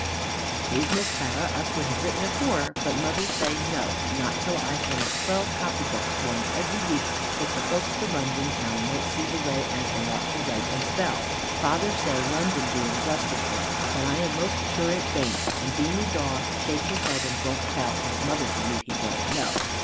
Please Miss Clara, us would have written afore, but mother say no, not till I finish twelve copybooks one every week, that the folks to London town might see the way as they ought to write and spell. Father say London be in Gloucestershire, but I am most sure it baint, and Beany Dawe shake his head and won't tell, and mother believe he don't know.